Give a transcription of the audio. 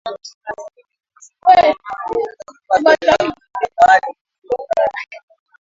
Hii ilikua idhaa ya kwanza ya lugha ya Kiafrika kuanzisha matangazo kupitia mitambo ya Sauti ya Amerika mjini Washington